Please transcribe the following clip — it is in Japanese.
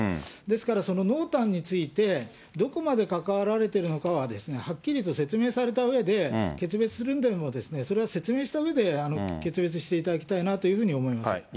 ですから、その濃淡について、どこまで関わられてるのかははっきりと説明されたうえで、決別するんでも、それは説明したうえで決別していただきたいなというふうに思います。